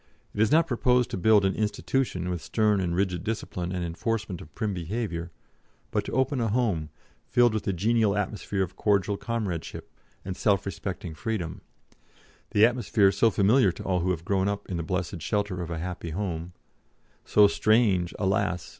It is not proposed to build an 'institution' with stern and rigid discipline and enforcement of prim behaviour, but to open a home, filled with the genial atmosphere of cordial comradeship, and self respecting freedom the atmosphere so familiar to all who have grown up in the blessed shelter of a happy home, so strange, alas!